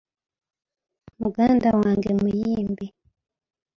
Muganda wange muyimbi.